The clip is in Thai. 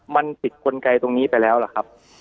มันผิดกลไกตรงนี้ไปแล้วล่ะครับ